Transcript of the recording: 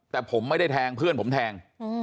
แต่ผมไม่ได้แทงเพื่อนผมแทง